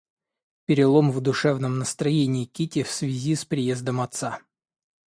Перелом в душевном настроении Кити в связи с приездом отца.